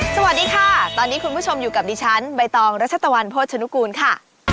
สวัสดีค่ะตอนนี้คุณผู้ชมอยู่กับดิฉันใบตองรัชตะวันโภชนุกูลค่ะ